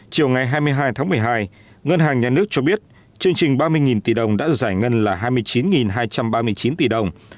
chiều ngày hai mươi hai tháng một mươi hai ngân hàng nhà nước cho biết chương trình ba mươi tỷ đồng đã giải ngân là hai mươi chín hai trăm ba mươi chín tỷ đồng